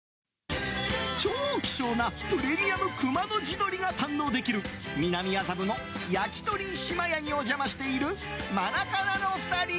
超希少なプレミアム熊野地鶏が堪能できる南麻布のやきとり嶋家にお邪魔しているマナカナの２人。